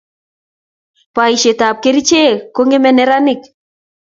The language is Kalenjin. paisiet ap kerichek ko ngemei neranik